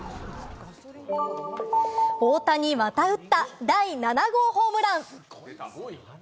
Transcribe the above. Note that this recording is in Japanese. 大谷また打った、第７号ホームラン。